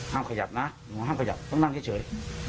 ขยับนะหมอห้ามขยับต้องนั่งเฉย